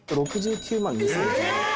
６９万２０１０円です。